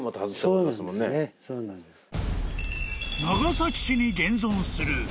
［長崎市に現存する］